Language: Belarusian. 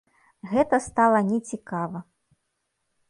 Гэта стала не цікава.